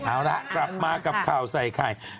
เอาละกลับมากับข่าวใส่ไข่